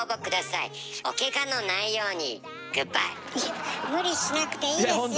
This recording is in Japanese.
いや無理しなくていいですよ。